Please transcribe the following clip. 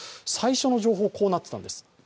最初の情報はこうなってたんです。